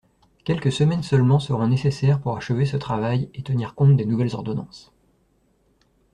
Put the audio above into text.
Quelques semaines seulement seront nécessaires pour achever ce travail et tenir compte des nouvelles ordonnances.